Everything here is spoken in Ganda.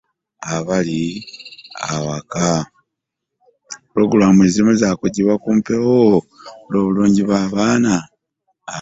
Ppulogulamu ezimu za kugyibwa ku mpewo kulwo bulungi bwa baana abato abali awaka.